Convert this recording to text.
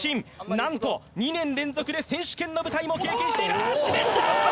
なんと２年連続で選手権の舞台も経験しているあーっ滑ったー！